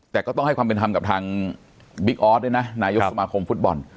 แต่ก็ต้องให้ความเป็นธรรมกับทางบิ๊กออสด้วยนะนายกสมาคมฟุตบอล